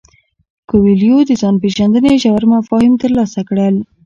کویلیو د ځان پیژندنې ژور مفاهیم ترلاسه کړل.